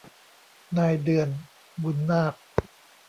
นายเดือน บุนนาค